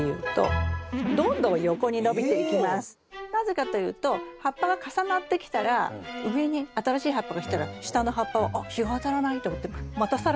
なぜかというと葉っぱが重なってきたら上に新しい葉っぱがきたら下の葉っぱはあっ日が当たらないと思ってまた更に伸びますよね。